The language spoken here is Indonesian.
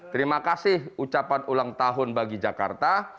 terima kasih ucapan ulang tahun bagi jakarta